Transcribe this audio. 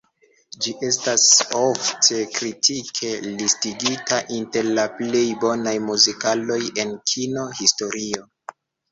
Ĝi estas ofte kritike listigita inter la plej bonaj muzikaloj en kino-historio.